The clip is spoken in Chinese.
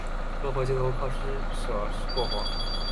落魄街头靠著施舍过活